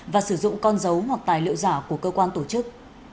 và sử dụng con dấu hoặc tài liệu giả của cơ quan tổ chức